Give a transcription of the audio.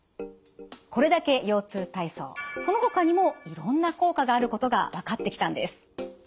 これだけ腰痛体操そのほかにもいろんな効果があることが分かってきたんです。